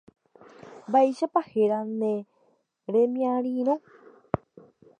Mba'éichapa héra ne remiarirõ.